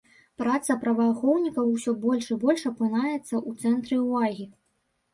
Праца праваахоўнікаў усё больш і больш апынаецца ў цэнтры ўвагі.